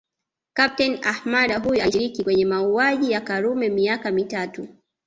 Kapteni Ahmada huyu alishiriki kwenye mauaji ya Karume miaka mitatu